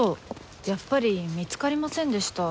やっぱり見つかりませんでした。